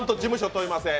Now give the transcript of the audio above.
問いません。